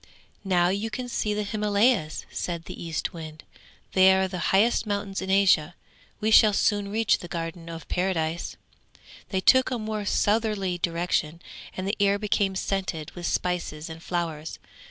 _] 'Now you can see the Himalayas!' said the Eastwind. 'They are the highest mountains in Asia; we shall soon reach the Garden of Paradise.' They took a more southerly direction, and the air became scented with spices and flowers.